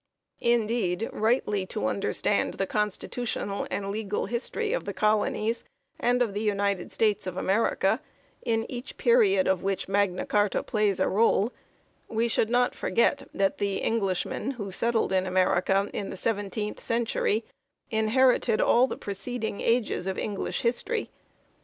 Indeed, rightly to understand the constitutional and legal history of the colonies and of the United States of America, in each period of which Magna Carta plays a role, we should not forget that the Englishmen who settled in America in the seventeenth century inherited all the preceding ages of English history.